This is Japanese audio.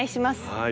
はい。